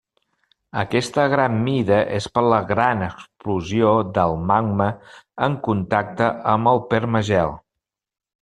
Aquesta gran mida és per la gran explosió del magma en contacte amb el permagel.